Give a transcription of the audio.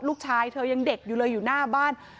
เธอยังเด็กอยู่เลยอยู่หน้าบ้าน